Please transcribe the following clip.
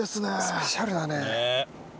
スペシャルだね。